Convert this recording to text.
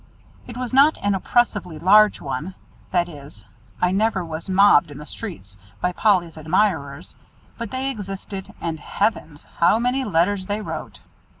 It was not an oppressively large one; that is, I never was mobbed in the streets by Polly's admirers, but they existed, and Heavens! how many letters they wrote!